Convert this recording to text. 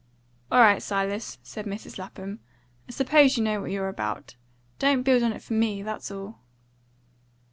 "All right, Silas," said Mrs. Lapham; "I suppose you know what you're about. Don't build on it for me, that's all."